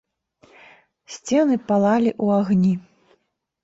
Сцены палалі ў агні.